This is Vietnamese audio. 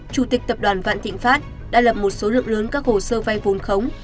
chủ tịch tập đoàn vạn thịnh pháp đã lập một số lượng lớn các hồ sơ vay vốn khống